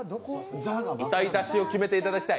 歌い出しを決めていただきたい。